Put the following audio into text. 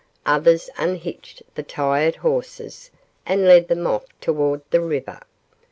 Others unhitched the tired horses and led them off toward the river.